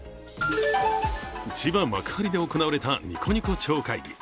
千葉・幕張で行われたニコニコ超会議。